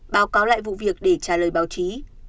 báo cáo lại vụ việc để trả lời báo chí